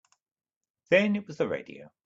Then it was the radio.